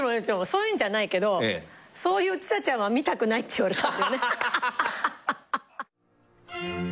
そういうんじゃないけどそういうちさちゃんは見たくないって言われた。